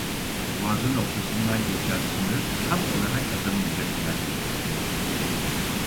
Boğazın ortasından geçen sınır tam olarak adanın üzerinden geçmektedir.